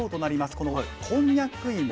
このこんにゃく芋。